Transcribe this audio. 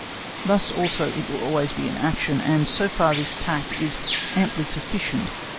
Thus also it will always be in action, and so far this tact is amply sufficient.